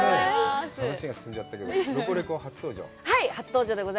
話が進んじゃったけど、「ロコレコ！」初登場？